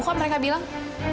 kok mereka bilang